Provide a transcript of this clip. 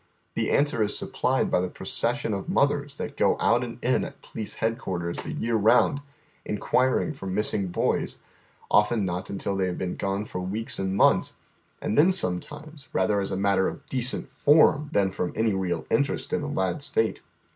Tiie answer is supplied by the procession of mothers that go out and in at Police Headquarters the year round, inquiring for missing boys, often not until they have been gone for weeks and months, and then sometimes rather as a matter of decent form than from any real interest in the lad's fate.